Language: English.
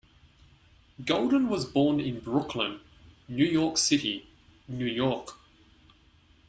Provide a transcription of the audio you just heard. Golden was born in Brooklyn, New York City, New York.